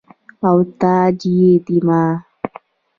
او تاج يي ديما